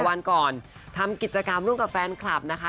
วันก่อนทำกิจกรรมร่วมกับแฟนคลับนะคะ